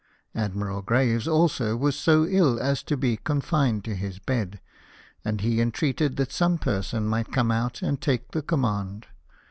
Admiral Graves also was so ill as to be confined to his bed ; and he entreated that some person might come out and take the command.